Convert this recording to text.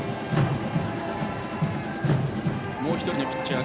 もう１人のピッチャー